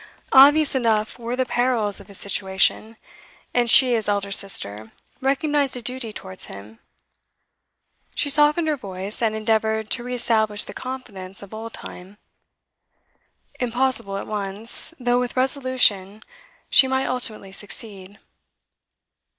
Obvious enough were the perils of his situation, and she, as elder sister, recognised a duty towards him; she softened her voice, and endeavoured to re establish the confidence of old time. Impossible at once, though with resolution she might ultimately succeed.